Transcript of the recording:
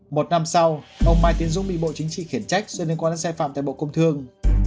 một năm sau ông mai tiến dũng bị bộ chính trị khiển trách do liên quan đến sai phạm tại bộ công thương